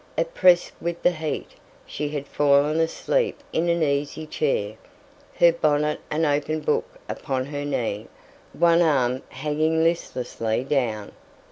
Oppressed with the heat, she had fallen asleep in an easy chair, her bonnet and open book upon her knee, one arm hanging listlessly down.